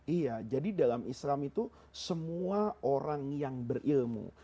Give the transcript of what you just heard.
iya jadi dalam islam itu semua orang yang berilmu